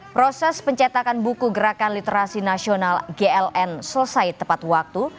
proses pencetakan buku gerakan literasi nasional gln selesai tepat waktu